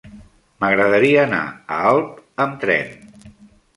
M'agradaria anar a Alp amb tren.